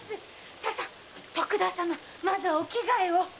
ささまずはお着替えを。